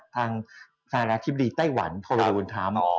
ทางศาลากาศิพธิ์ดีไต้หวันโทรวิวุลทรัมป์